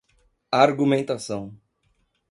argumentação